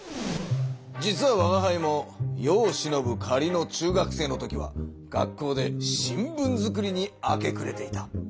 実はわがはいも世をしのぶかりの中学生のときは学校で新聞作りに明けくれていた。